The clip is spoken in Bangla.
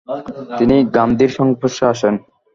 তিনি গান্ধীর সংস্পর্শে আসেন।